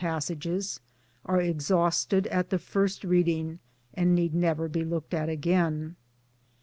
MY, BOOKS 191 passages are exhausted at the first reading and need never be looked at again.